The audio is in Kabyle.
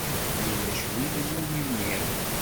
Ulac win i wumi nniɣ.